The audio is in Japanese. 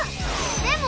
でも！